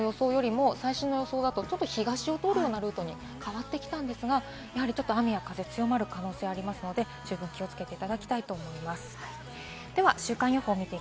これまでの予想よりも最新の予想だと、東を通るようなルートに変わってきていますが、ちょっと雨や風、強まる可能性ありますので気をつけていただきたいと思います。